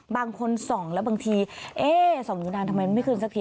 บางคนส่องแล้วบางทีเอ๊ะส่องอยู่นานทำไมมันไม่คืนสักที